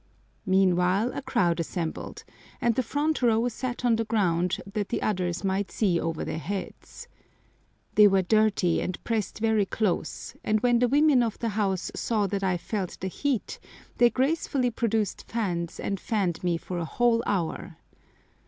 Meanwhile a crowd assembled, and the front row sat on the ground that the others might see over their heads. They were dirty and pressed very close, and when the women of the house saw that I felt the heat they gracefully produced fans and fanned me for a whole hour.